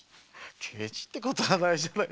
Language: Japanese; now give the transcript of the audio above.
ケチってことはないじゃないですか。